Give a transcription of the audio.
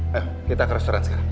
ayo kita ke restoran sekarang